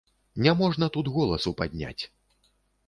Не можна тут голасу падняць.